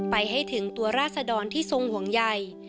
ไปให้ถึงตัวราศดรที่ทรงห่วงใหญ่